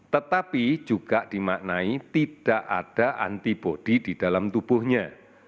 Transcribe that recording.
tetapi juga dimaknai tidak ada antibody di dalam tubuhnya